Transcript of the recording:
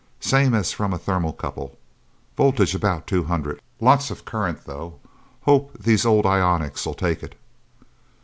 "Same as from a thermocouple. Voltage about two hundred. Lots of current, though. Hope these old ionics'll take it."